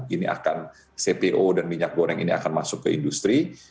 ini akan cpo dan minyak goreng ini akan masuk ke industri